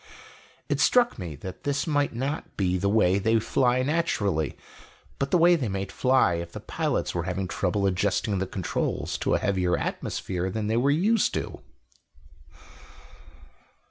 "It struck me that this might not be the way they fly, naturally, but the way they might fly if the pilots were having trouble adjusting the controls to a heavier atmosphere than they were used to."